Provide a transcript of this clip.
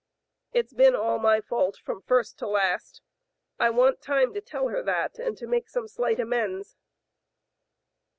It's been all my fault from first to last. I want time to tell her that, and to make some slight amends."